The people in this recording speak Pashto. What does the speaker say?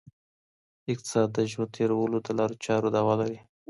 اقتصاد د ژوند تېرولو د لارو چارو دعوه لري.